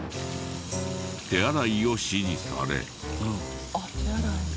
手洗いを指示され。